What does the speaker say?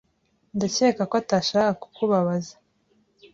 Ndakeka ko atashakaga kukubabaza